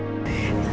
terima kasih banyak